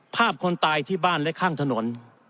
คนตายที่บ้านและข้างถนน